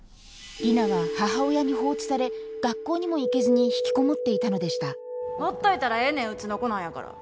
里奈は母親に放置され学校にも行けずに引きこもっていたのでしたほっといたらええねんうちの子なんやから。